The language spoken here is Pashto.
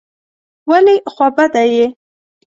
ولي خوابدی یې ؟